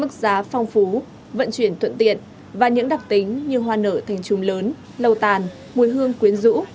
mức giá phong phú vận chuyển thuận tiện và những đặc tính như hoa nở thành trùm lớn lầu tàn mùi hương quyến rũ